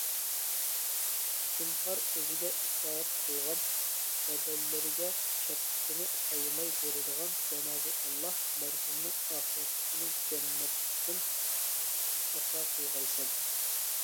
زىنھار ئۆزىگە ئىتائەت قىلغان بەدەللىرىگە شەپقىتىنى ئايىماي بېرىدىغان جانابى ئاللا مەرھۇمنىڭ ئاخىرەتلىكىنى جەننەتتىن ئاتا قىلغايسەن.